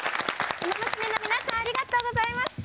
ウマ娘の皆さんありがとうございました。